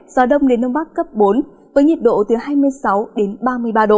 gió đông đến đông bắc cấp bốn với nhiệt độ từ hai mươi sáu đến ba mươi ba độ